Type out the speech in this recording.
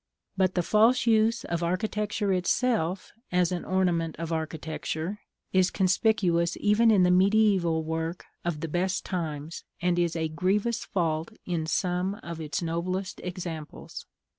But the false use of architecture itself, as an ornament of architecture, is conspicuous even in the mediæval work of the best times, and is a grievous fault in some of its noblest examples.